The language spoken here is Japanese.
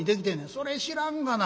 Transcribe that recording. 「それ知らんがな。